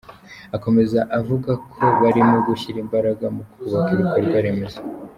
Akomeza avuga ko barimo gushyira imbaraga mu kubaka ibikorwa remezo.